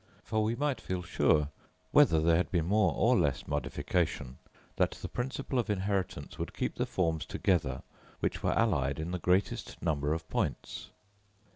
For we might feel sure, whether there had been more or less modification, that the principle of inheritance would keep the forms together which were allied in the greatest number of points.